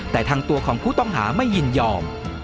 แต่ทางตัวของผู้ต้องหาไม่ยินยอม